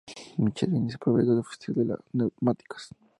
Michelin es el proveedor oficial de neumáticos.